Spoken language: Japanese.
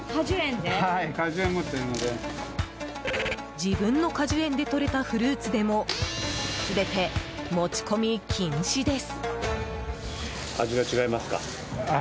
自分の果樹園でとれたフルーツでも全て持ち込み禁止です。